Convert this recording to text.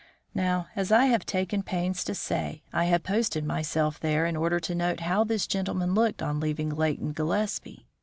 Now, as I have taken pains to say, I had posted myself there in order to note how this gentleman looked on leaving Leighton Gillespie.